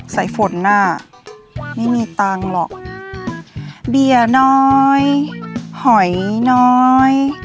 สายฝนน่ะไม่มีตังค์หรอกเบียร์น้อยหอยน้อย